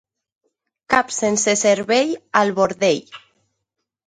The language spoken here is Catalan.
Cap sense cervell, al bordell.